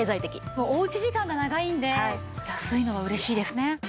もうおうち時間が長いので安いのは嬉しいですね。